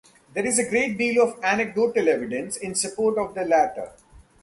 There is a great deal of anecdotal evidence in support of the latter.